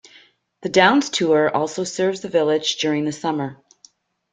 The Downs Tour also serves the village during the summer.